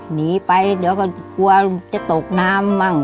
หนีไปเดี๋ยวก็กลัวจะตกน้ำมั่ง